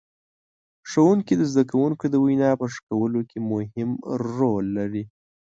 ښوونکي د زدهکوونکو د وینا په ښه کولو کې مهم رول لري.